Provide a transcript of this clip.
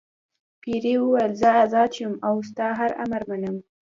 پیري وویل زه آزاد شوم او ستا هر امر منم.